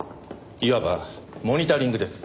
いわばモニタリングです。